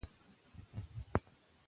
مور او پلار د ماشوم د تغذیې مسؤلیت لري.